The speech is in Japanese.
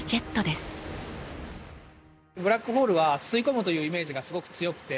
ブラックホールは吸い込むというイメージがすごく強くて。